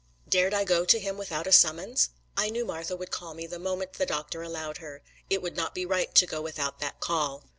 Dared I go to him without a summons? I knew Martha would call me the moment the doctor allowed her: it would not be right to go without that call.